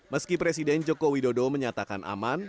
meski presiden joko widodo menyatakan aman